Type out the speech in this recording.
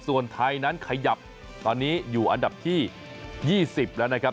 ส่วนไทยนั้นขยับตอนนี้อยู่อันดับที่๒๐แล้วนะครับ